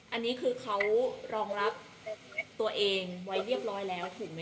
อันนี้คือเขารองรับตัวเองไว้เรียบร้อยแล้วถูกไหมค